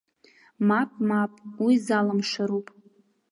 Мап, мап, уи залымшароуп.